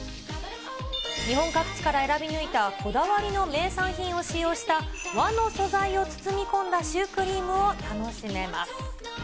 日本各地から選び抜いたこだわりの名産品を使用した和の素材を包み込んだシュークリームを楽しめます。